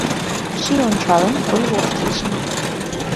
Ший ончалын, пыль воштылшым.